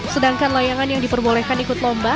sedangkan layangan yang diperbolehkan ikut lomba